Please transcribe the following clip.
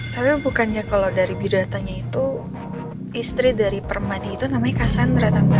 tapi bukannya kalau dari bidratanya itu istri dari permadi itu namanya kassandra tante